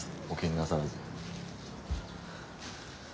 お気になさらず。